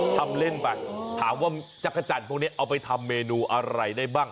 ทำเล่นไปถามว่าจักรจันทร์พวกนี้เอาไปทำเมนูอะไรได้บ้าง